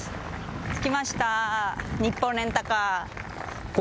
着きましたニッポンレンタカー